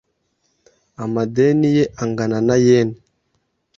Amadeni ye angana na yen .